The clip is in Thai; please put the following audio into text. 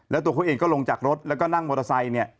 แล้วตัวเขาเองก็ลงจากรถแล้วก็นั่งมอเตอร์ไซค์เนี่ย